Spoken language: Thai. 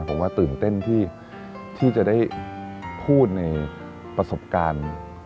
ผมว่าตื่นเต้นที่จะได้พูดในประสบการณ์